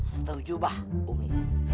setuju bah umi